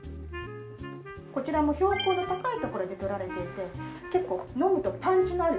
こちらも標高の高い所で取られていて結構飲むとパンチのある渋み。